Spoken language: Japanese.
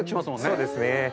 そうですね。